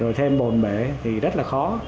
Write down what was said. rồi thêm bồn bể thì rất là khó